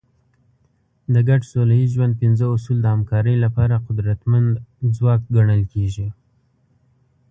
د ګډ سوله ییز ژوند پنځه اصول د همکارۍ لپاره قدرتمند ځواک ګڼل کېږي.